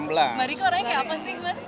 mbak riko orangnya kayak apa sih mas